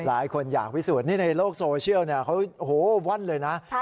หลายคนอยากวิสูจน์ในโลกโซเชียลเขาวั่นเลยนะ